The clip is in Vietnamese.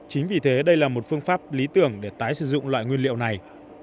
chính vì thế đây là một phương pháp lý tưởng để tái sử dụng loại nguyên liệu này